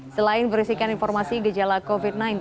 selain berisikan informasi gejala covid sembilan belas